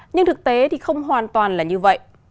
nhưng thực tế thì không hoàn toàn là như vậy